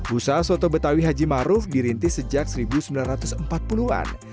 usaha soto betawi haji maruf dirintis sejak seribu sembilan ratus empat puluh an